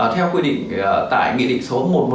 theo quy định tải nghị định số một trăm một mươi bảy